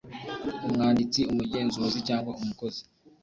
umwanditsi umugenzuzi cyangwa umukozi